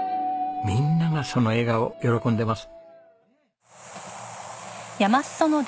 みんながその笑顔喜んでます！